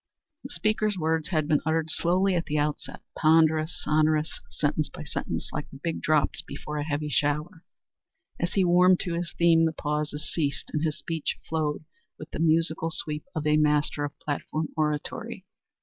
The speaker's words had been uttered slowly at the outset ponderous, sonorous, sentence by sentence, like the big drops before a heavy shower. As he warmed to his theme the pauses ceased, and his speech flowed with the musical sweep of a master of platform oratory.